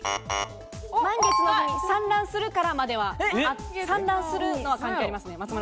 満月の日に産卵するから、産卵するのは関係があります。